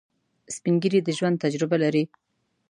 سپین ږیری د ژوند تجربه لري